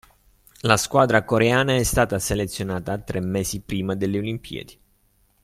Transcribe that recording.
La squadra coreana è stata selezionata tre mesi prima delle Olimpiadi.